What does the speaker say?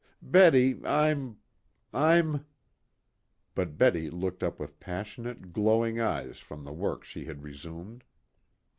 Betty, I'm I'm " But Betty looked up with passionate, glowing eyes from the work she had resumed.